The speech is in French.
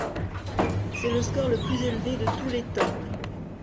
C'est le score le plus élevé de tous les temps.